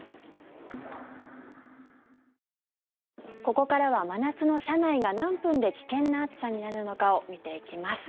ここからは真夏の車内が何分で危険な暑さになるのかを見ていきます。